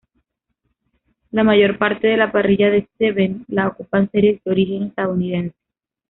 La mayor parte de la parrilla de Seven la ocupan series de origen estadounidense.